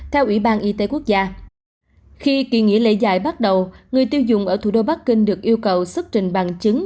theo ủy ban y tế quốc gia khi kỳ nghỉ lễ dài bắt đầu người tiêu dùng ở thủ đô bắc kinh được yêu cầu xuất trình bằng chứng